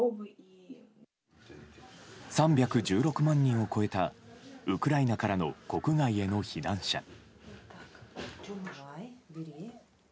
３１６万人を超えたウクライナからの国外への避難者。